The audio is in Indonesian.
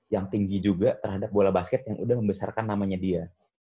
yang tinggi juga terhadap bola basket yang udah membesarkan namanya dia